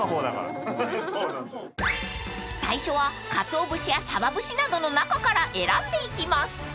［最初はかつお節やさば節などの中から選んでいきます］